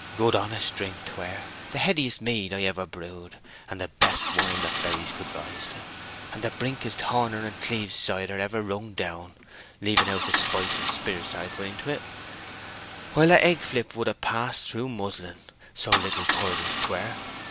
Good, honest drink 'twere, the headiest mead I ever brewed; and the best wine that berries could rise to; and the briskest Horner and Cleeves cider ever wrung down, leaving out the spice and sperrits I put into it, while that egg flip would ha' passed through muslin, so little curdled 'twere.